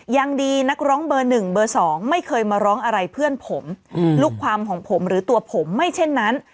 ยังดีนักร้องเบอร์๑เบอร์๒ไม่เคยมาร้องอะไรเพื่อนผมลูกความของผมหรือตัวผมไม่เช่นนั้น